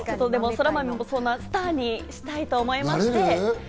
そらまめもそんなスターにしたいと思います。